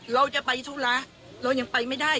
เราจะไปธุระเรายังไปไม่ได้